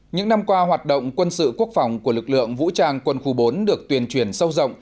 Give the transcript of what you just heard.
những năm qua hoạt động quân sự quốc phòng của lực lượng vũ trang quân khu bốn được tuyên truyền sâu rộng